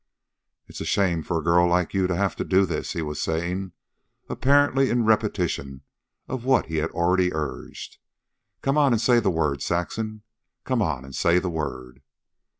"It's a shame for a girl like you to have to do this," he was saying, apparently in repetition of what he had already urged. "Come on an' say the word, Saxon. Come on an' say the word."